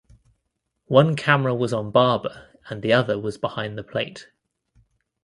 One camera was on Barber and the other was behind the plate.